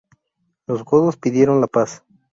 Los godos pidieron la paz.